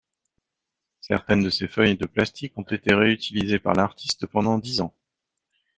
Certaines de ces feuilles de plastique ont été réutilisées par l'artiste pendant dix ans.